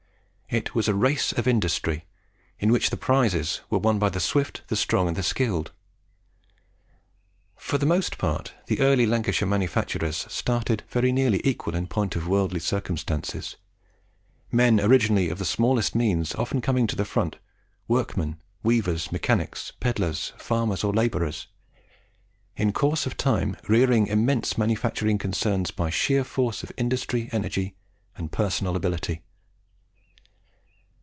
It was a race of industry, in which the prizes were won by the swift, the strong, and the skilled. For the most part, the early Lancashire manufacturers started very nearly equal in point of worldly circumstances, men originally of the smallest means often coming to the front work men, weavers, mechanics, pedlers, farmers, or labourers in course of time rearing immense manufacturing concerns by sheer force of industry, energy, and personal ability.